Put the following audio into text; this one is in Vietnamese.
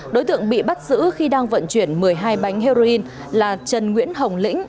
đối tượng bị bắt giữ khi đang vận chuyển một mươi hai bánh heroin là trần nguyễn hồng lĩnh